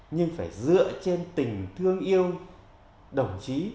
nhưng phải dựa trên tình thương yêu đồng chí